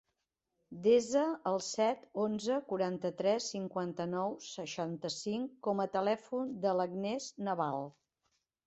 Desa el set, onze, quaranta-tres, cinquanta-nou, seixanta-cinc com a telèfon de l'Agnès Naval.